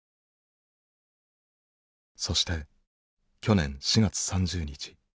そして去年４月３０日。